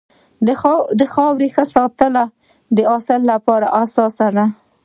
د خاورې ښه ساتنه د حاصل لپاره اساسي ده.